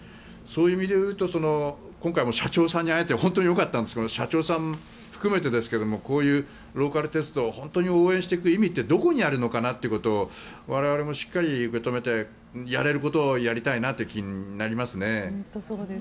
そういう意味でいうと今回も社長さんに会えて本当によかったんですが社長さん含めてですがこういうローカル鉄道を本当に応援していく意味ってどこにあるのかなってことを我々もしっかり受け止めてやれることをやりたいなという気になりますね。